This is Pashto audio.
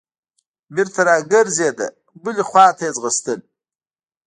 بېرته راګرځېده بلې خوا ته ځغسته.